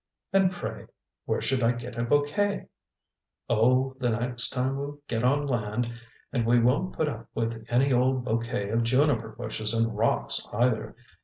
"And pray, where should I get a bouquet?" "Oh, the next time we get on land. And we won't put up with any old bouquet of juniper bushes and rocks, either.